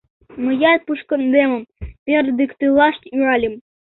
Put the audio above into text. Мыят мушкындемым пӧрдыктылаш тӱҥальым.